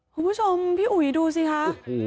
คุณผู้ชมพี่อุ๋ยดูสิคะ